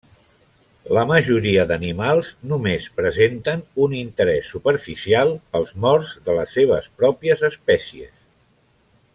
La majoria d'animals només presenten un interès superficial pels morts de les seves pròpies espècies.